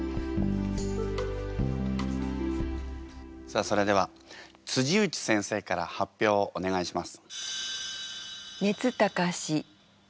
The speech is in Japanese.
さあそれでは内先生から発表お願いします。